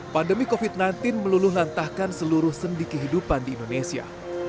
pandemi covid sembilan belas meluluh lantahkan seluruh sendi kehidupan di indonesia